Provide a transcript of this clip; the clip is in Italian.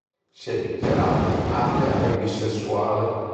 Si è dichiarata atea e bisessuale.